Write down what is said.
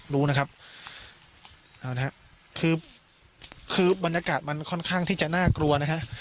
รู้นะครับเอานะฮะคือคือบรรยากาศมันค่อนข้างที่จะน่ากลัวนะฮะ